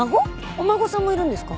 お孫さんもいるんですか？